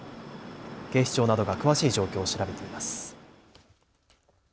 警視庁などが詳しい状況を調べています。